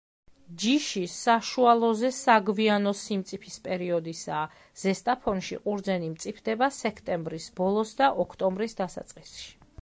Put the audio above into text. ჯიში საშუალოზე საგვიანო სიმწიფის პერიოდისაა, ზესტაფონში ყურძენი მწიფდება სექტემბრის ბოლოს და ოქტომბრის დასაწყისში.